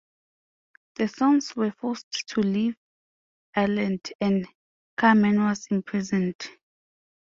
The sons were forced to leave Ireland, and Carman was imprisoned.